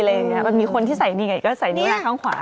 บางที่มีคนที่ใส่อีกก็ใส่นี่ก็ให้ใส่ข้างขวา